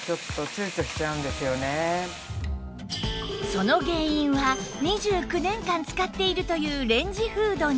その原因は２９年間使っているというレンジフードに